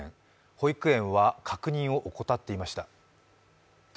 保育園は確認を怠っていました。